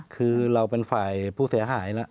คือเราเป็นฝ่ายผู้เสียหายแล้ว